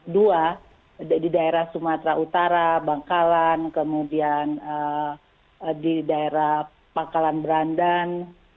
dua di daerah sumatera utara bangkalan kemudian di daerah pakalan berandan